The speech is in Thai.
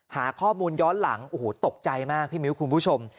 หาข้อมูลย้อนหลังโอ้โหตกใจมากพี่มิ้วคุณผู้ชม